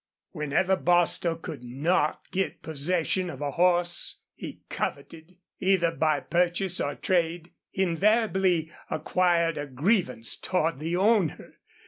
Whenever Bostil could not get possession of a horse he coveted, either by purchase or trade, he invariably acquired a grievance toward the owner.